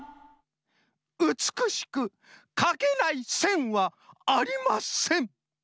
うつくしくかけないせんはありません。